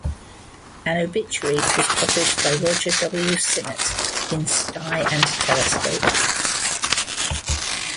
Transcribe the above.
An obituary was published by Roger W. Sinnott in "Sky and Telescope".